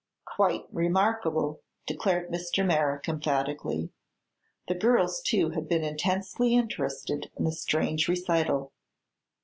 "Quite remarkable!" declared Mr. Merrick, emphatically. The girls, too, had been intensely interested in the strange recital.